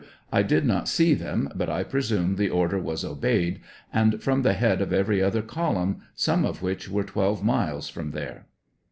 I did not see them, but I presume the order was obeyed, and from the head of every other column, some of which were twelve miles from there.